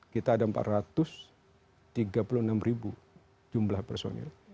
kita ada empat ratus tiga puluh enam ribu jumlah personil